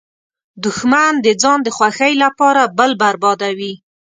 دښمن د ځان د خوښۍ لپاره بل بربادوي